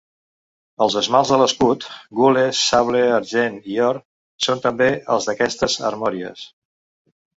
Els esmalts de l'escut: gules, sable, argent i or, són també els d'aquestes armories.